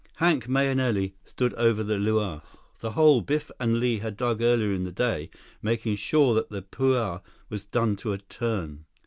Hank Mahenili stood over the lua—the hole Biff and Li had dug earlier in the day—making sure that the puaa was done to a turn.